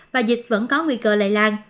và dịch vẫn có nguy cơ lây lan